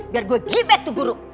biar gue giliran tuh guru hah